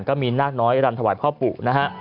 ก็มีนาคน้อยรำถวายพ่อปู่นะฮะ